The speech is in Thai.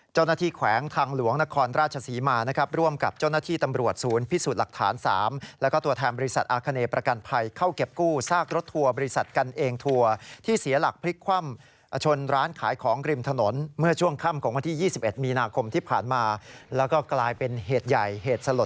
แขวงทางหลวงนครราชศรีมานะครับร่วมกับเจ้าหน้าที่ตำรวจศูนย์พิสูจน์หลักฐาน๓แล้วก็ตัวแทนบริษัทอาคเนประกันภัยเข้าเก็บกู้ซากรถทัวร์บริษัทกันเองทัวร์ที่เสียหลักพลิกคว่ำชนร้านขายของริมถนนเมื่อช่วงค่ำของวันที่๒๑มีนาคมที่ผ่านมาแล้วก็กลายเป็นเหตุใหญ่เหตุสลด